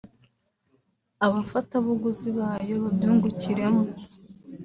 Abafatabuguzi bayo babyungukiremo